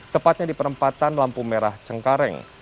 tepatnya di perempatan lampu merah cengkareng